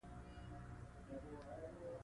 زه په خپل کور کې يم